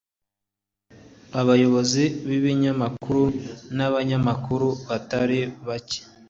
abayobozi b’ibinyamakuru n’abanyamakuru batari bake